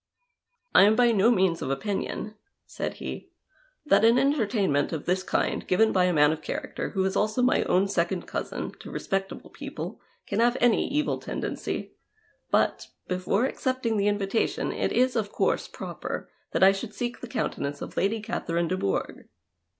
" I am by no means of opinion," said he, " that an entertainment of this kind, given by a man of character, who is also my own second cousin, to respectable people, can have any evil tendency ; but, before accepting the invitation, it is, of course, proper that I should seek the countenance of Lady Catherine dc Bourgh."